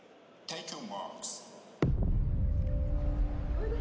おいで！